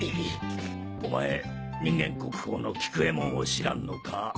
お前人間国宝の菊右衛門を知らんのか？